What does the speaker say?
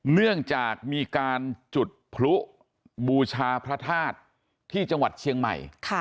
เนื่องจากมีการจุดพลุบูชาพระธาตุที่จังหวัดเชียงใหม่